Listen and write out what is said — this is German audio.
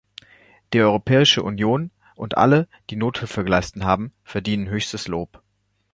Die Europäische Union und alle, die Nothilfe geleistet haben, verdienen höchstes Lob.